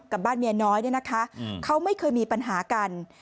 กับบ้านเมียน้อยนะคะเขาไม่เคยมีปัญหากัน